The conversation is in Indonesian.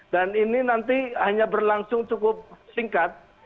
dan ini nanti hanya berlangsung cukup singkat